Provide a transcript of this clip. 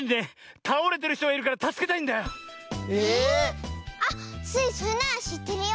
ええ⁉あっスイそれならしってるよ。